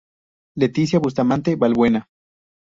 Leticia Bustamante Valbuena.